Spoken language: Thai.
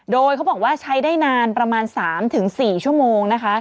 โดยเขาบอกว่าใช้ได้นานประมาณ๓๔ชั่วโมงนะคะ